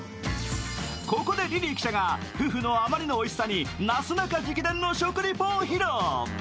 ここでリリー記者が、フフのあまりのおいしさに、なすなか直伝の食リポを披露。